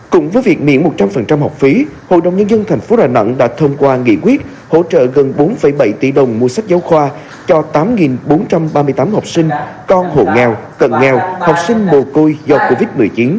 cùng với việc miễn một trăm linh học phí hội đồng nhân dân thành phố đà nẵng đã thông qua nghị quyết hỗ trợ gần bốn bảy tỷ đồng mua sách giáo khoa cho tám bốn trăm ba mươi tám học sinh con hộ nghèo cận nghèo học sinh mồ côi do covid một mươi chín